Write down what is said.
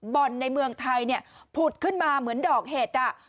บ่อนในเมืองไทยเนี่ยผุดขึ้นมาเหมือนดอกเห็ดอ่ะ